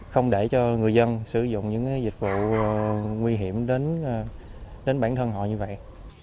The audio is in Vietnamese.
không để cho người dân sử dụng những dịch vụ nguy hiểm đến bản thân họ như vậy